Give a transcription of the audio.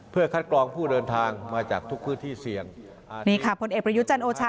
เพื่อคัดกรองผู้เดินทางมาจากทุกพื้นที่เสี่ยงอ่านี่ค่ะพลเอกประยุจันทร์โอชา